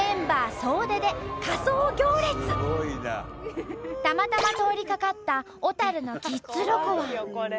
総出でたまたま通りかかった小のキッズロコは。